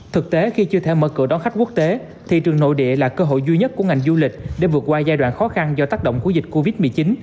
thực tế khi chưa thể mở cửa đón khách quốc tế thị trường nội địa là cơ hội duy nhất của ngành du lịch để vượt qua giai đoạn khó khăn do tác động của dịch covid một mươi chín